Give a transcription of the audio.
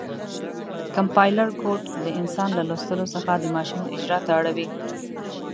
کمپایلر کوډ د انسان له لوستلو څخه د ماشین اجرا ته اړوي.